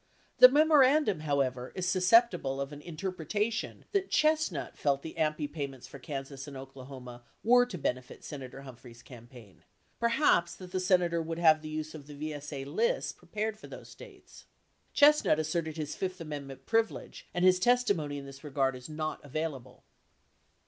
The memorandum, however, is susceptible of an in terpretation that Chestnut felt the AMPI payments for Kansas and Oklahoma were to benefit Senator Humphrev's campaign, perhaps that the Senator would have the use of the VSA lists prepared for those States. Chestnut asserted his Fifth Amendment privilege and his testimony in this regard is not available.